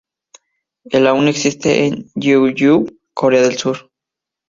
El aún existe en Gyeongju, Corea del Sur.